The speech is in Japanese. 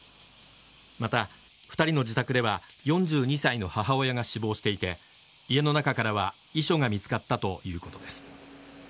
また、２人の自宅では４２歳の母親が死亡していて家の中からは遺書が見つかったということです。